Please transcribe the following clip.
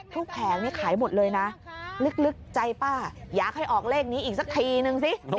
แผงนี่ขายหมดเลยนะลึกใจป้าอยากให้ออกเลขนี้อีกสักทีนึงสิ